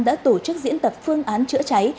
đã tổ chức diễn tập phương án chữa cháy